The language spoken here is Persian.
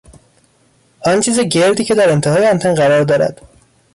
آن چیز گردی که در انتهای آنتن قرار دارد